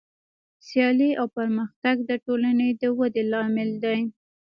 سیالي او پرمختګ د ټولنې د ودې لامل دی.